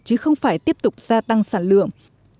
chứ không phải tiếp tục gia tăng sản lượng